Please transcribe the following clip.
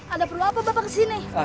anda perlu apa bapak kesini